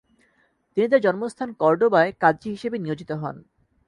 তিনি তাঁর জন্মস্থান কর্ডোবায় কাজি হিসেবে নিয়োজিত হন।